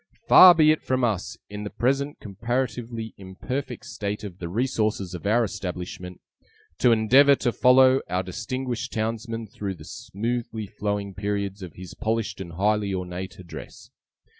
Far be it from us, in the present comparatively imperfect state of the resources of our establishment, to endeavour to follow our distinguished townsman through the smoothly flowing periods of his polished and highly ornate address!